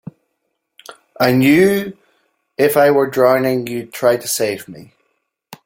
I knew if I were drowning you'd try to save me.